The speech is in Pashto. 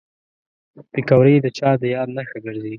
پکورې د چا د یاد نښه ګرځي